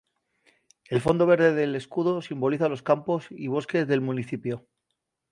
El fondo verde del escudo simboliza los campos y bosques del municipio.